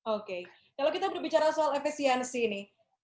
oke kalau kita berbicara soal efisiensi ini